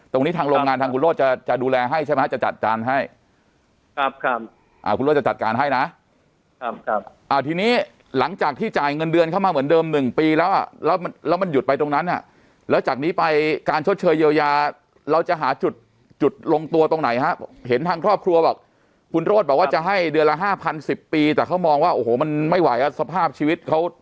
ตรงนี้ทางโรงงานทางคุณโรธจะจะดูแลให้ใช่ไหมฮะจะจัดการให้ครับคุณโรธจะจัดการให้นะทีนี้หลังจากที่จ่ายเงินเดือนเข้ามาเหมือนเดิม๑ปีแล้วอ่ะแล้วมันหยุดไปตรงนั้นอ่ะแล้วจากนี้ไปการชดเชยเยียวยาเราจะหาจุดจุดลงตัวตรงไหนฮะเห็นทางครอบครัวบอกคุณโรธบอกว่าจะให้เดือนละห้าพันสิบปีแต่เขามองว่าโอ้โหมันไม่ไหวอ่ะสภาพชีวิตเขา